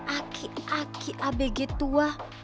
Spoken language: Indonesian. aki aki abg tua